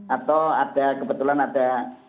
atau ada kebetulan ada